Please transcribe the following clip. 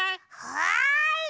はい！